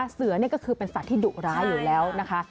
เสือนี่ก็คือเป็นสัตว์ที่ดุร้ายอยู่แล้วนะคะ